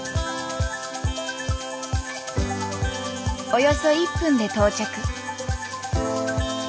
およそ１分で到着。